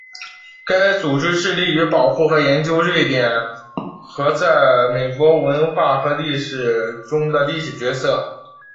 该组织致力于保护和研究瑞典和在美国文化和历史中的历史角色。